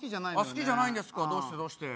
好きじゃないんですかどうして？